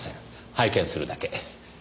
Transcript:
拝見するだけ。